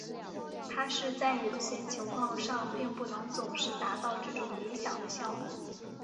但是在有些情况上并不能总是达到这种理想的效果。